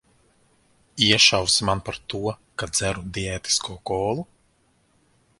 Iešausi man par to, ka dzeru diētisko kolu?